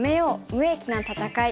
無益な戦い」。